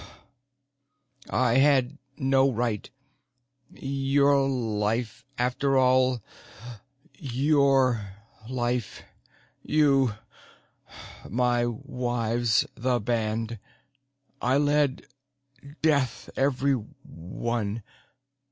I had no right. Your life after all your life. You my wives the band. I led death everyone.